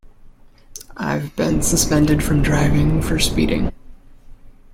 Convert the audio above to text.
I have been suspended from driving for speeding.